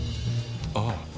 ああ。